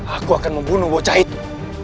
aku akan membunuh bocah itu